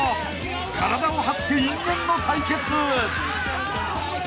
［体を張って因縁の対決］